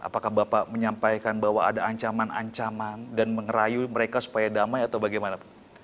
apakah bapak menyampaikan bahwa ada ancaman ancaman dan mengerayu mereka supaya damai atau bagaimana